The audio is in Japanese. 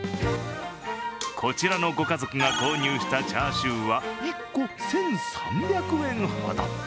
こちらのご家族が購入したチャーシューは１個１３００円ほど。